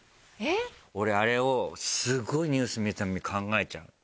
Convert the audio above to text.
俺あれをすごいニュース見るたびに考えちゃう。